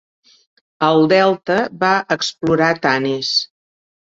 Al delta, va explorar Tanis.